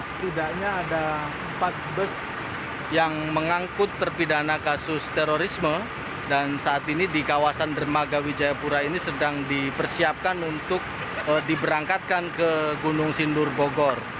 setidaknya ada empat bus yang mengangkut terpidana kasus terorisme dan saat ini di kawasan dermaga wijayapura ini sedang dipersiapkan untuk diberangkatkan ke gunung sindur bogor